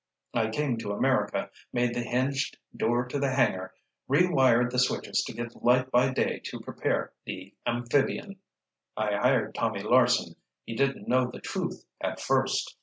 "I came to America, made the hinged door to the hangar, rewired the switches to get light by day to prepare the amphibian. "I hired Tommy Larsen—he didn't know the truth at first.